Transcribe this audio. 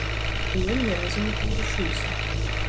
І ён ні разу не паварушыўся.